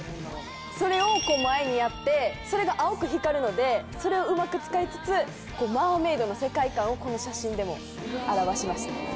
それを前にやってそれが青く光るのでそれをうまく使いつつマーメイドの世界観をこの写真でも表しました。